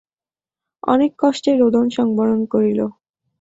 অনেক কষ্টে রোদন সংবরণ করিল।